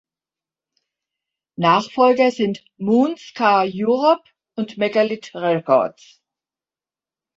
Nachfolger sind "Moon Ska Europe" und "Megalith Records".